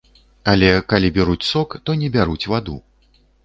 Але калі бяруць сок, то не бяруць ваду.